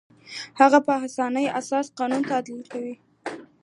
هغه په اسانۍ اساسي قانون تعدیل کړ.